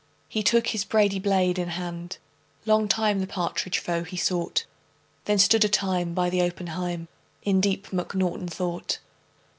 He took his brady blade in hand; Long time the partridge foe he sought. Then stood a time by the oppenheim In deep mcnaughton thought.